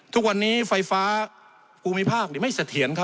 ทุกวันนี้ไฟฟ้าภูมิภาคไม่สะเถียน